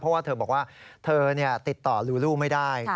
เพราะว่าเธอบอกว่าเธอติดต่อลูลูไม่ได้